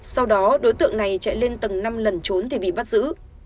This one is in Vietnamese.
sau đó đối tượng này chạy lên tầng năm lần trốn thì bị bắt giữ